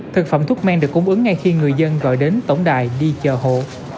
thực phẩm thuốc men được cung ứng ngay khi người dân gọi đến tổng đài đi chờ hộ